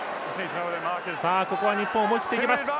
ここは日本、思い切っていけます。